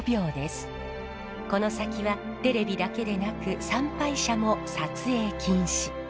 この先はテレビだけでなく参拝者も撮影禁止。